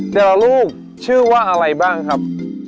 เจอลูกชื่อว่าอะไรบ้างครับ